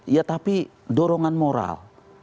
ya tapi dorongan moral